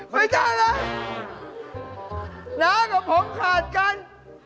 ไม่ใช่นะน้ากับผมขาดกัน